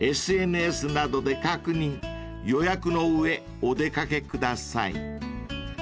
［ＳＮＳなどで確認予約の上お出掛けください］